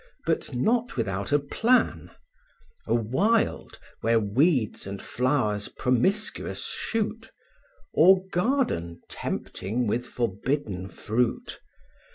but not without a plan; A wild, where weeds and flowers promiscuous shoot; Or garden tempting with forbidden fruit.